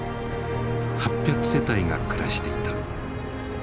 ８００世帯が暮らしていた。